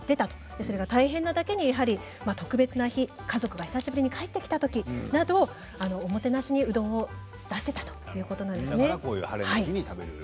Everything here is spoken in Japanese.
それが大変なだけに、特別な日家族が久しぶりに帰ってきたときなどおもてなしにうどんを出していたそれがハレの日に食べる。